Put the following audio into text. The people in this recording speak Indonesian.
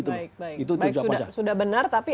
baik sudah benar tapi